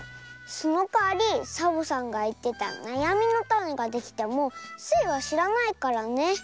そのかわりサボさんがいってたなやみのタネができてもスイはしらないからね。